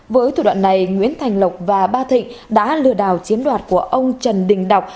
với thủ đoạn này nguyễn thành lộc và ba thịnh đã lừa đảo chiếm đoạt của ông trần đình đọc